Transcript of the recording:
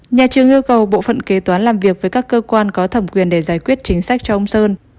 nhà trường yêu cầu bộ phận kế toán làm việc với các cơ quan có thẩm quyền để giải quyết chính sách cho ông sơn